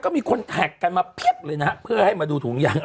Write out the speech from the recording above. ก็จริง